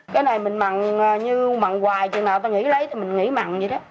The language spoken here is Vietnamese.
cái này mình mặn như mặn hoài chừng nào ta nghỉ lấy thì mình nghỉ mặn vậy đó